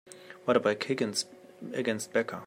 What about Higgins against Becca?